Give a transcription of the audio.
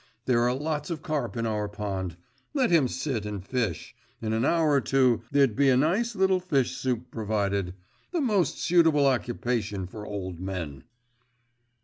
There are lots of carp in our pond. Let him sit and fish; in an hour or two, there'd be a nice little fish soup provided. The most suitable occupation for old men.